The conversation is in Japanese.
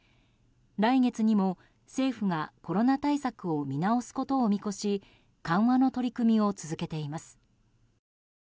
来月にも政府がコロナ対策を見直すことを見越し緩和の取り組みを続けています。